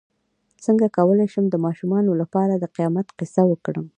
څ�ه کولی شم د ماشومانو لپاره د قیامت کیسه وکړم